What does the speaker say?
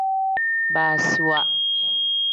Baasiwa.